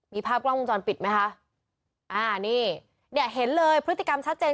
มีภาพกล้องวงจรปิดไหมคะอ่านี่เนี่ยเห็นเลยพฤติกรรมชัดเจน